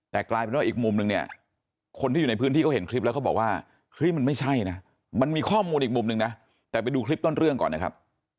แต่กลายเป็นว่าอีกมุมนึงเนี่ยคนที่อยู่ในพื้นที่เขาเห็นคลิปแล้วเขาบอกว่าเฮ้ยมันไม่ใช่นะมันมีข้อมูลอีกมุมนึงนะแต่ไปดูคลิปต้นเรื่องก่อนนะครับ